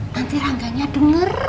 nanti rangganya denger